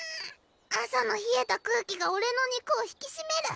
朝の冷えた空気が俺の肉を引き締める。